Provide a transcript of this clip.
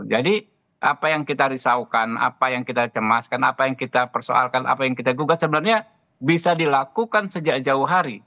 jadi apa yang kita risaukan apa yang kita cemaskan apa yang kita persoalkan apa yang kita gugat sebenarnya bisa dilakukan sejauh hari